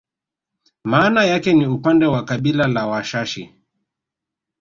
Maana yake ni upande wa kabila la Washashi